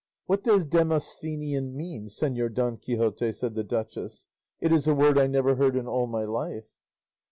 "What does Demosthenian mean, Señor Don Quixote?" said the duchess; "it is a word I never heard in all my life."